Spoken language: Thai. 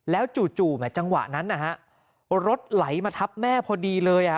แล้วจู่จังหวะนั้นนะฮะรถไหลมาทับแม่พอดีเลย